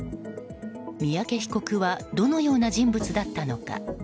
三宅被告はどのような人物だったのか。